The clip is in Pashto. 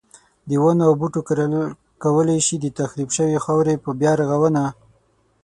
د ونو او بوټو کرل کولای شي د تخریب شوی خاورې په بیا رغونه.